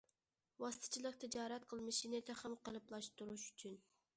ۋاسىتىچىلىك تىجارەت قىلمىشىنى تېخىمۇ قېلىپلاشتۇرۇش ئۈچۈن.